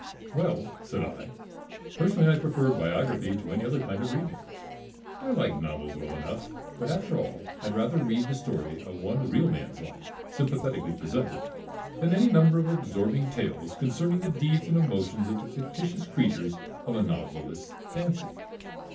"Well," said I, "personally I prefer biography to any other kind of reading. I like novels well enough; but after all I'd rather read the story of one real man's life, sympathetically presented, than any number of absorbing tales concerning the deeds and emotions of the fictitious creatures of a novelist's fancy.